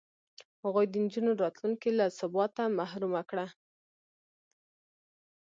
هغوی د نجونو راتلونکې له ثباته محرومه کړه.